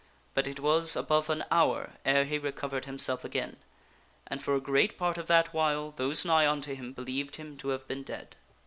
But it was above an hour ere he recovered himself again ; and for a great part of that while those nigh unto him believed him to have been dead.